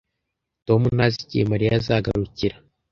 Tom ntazi igihe Mariya azagarukira